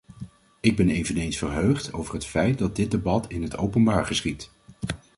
Ik ben eveneens verheugd over het feit dat dit debat in het openbaar geschiedt.